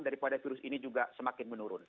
daripada virus ini juga semakin menurun